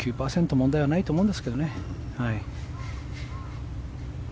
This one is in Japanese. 問題はないと思うんですけどね。